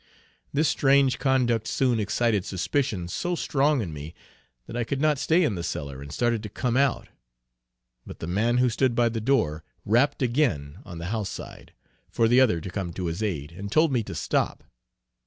This strange conduct soon excited suspicion so strong in me, that I could not stay in the cellar and started to come out, but the man who stood by the door, rapped again on the house side, for the other to come to his aid, and told me to stop.